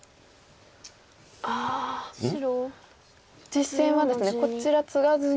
実戦はですねこちらツガずに。